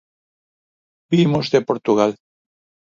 _Vimos de Portugal.